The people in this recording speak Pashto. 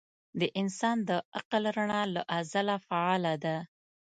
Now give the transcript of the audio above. د انسان د عقل رڼا له ازله فعاله ده.